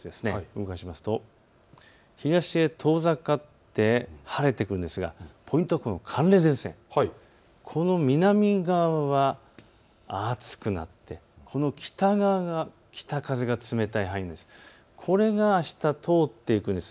動かしますと東へ遠ざかって晴れてくるんですがポイントは寒冷前線、この南側は暑くなって北側が北風が冷たい範囲、これがあした通っていくんです。